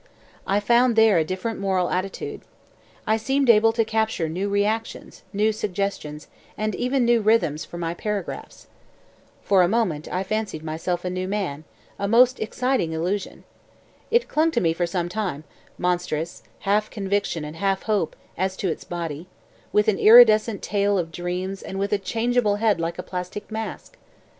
I found there a different moral attitude. I seemed able to capture new reactions, new suggestions, and even new rhythms for my paragraphs. For a moment I fancied myself a new man a most exciting illusion. It clung to me for some time, monstrous, half conviction and half hope as to its body, with an iridescent tail of dreams and with a changeable head like a plastic mask.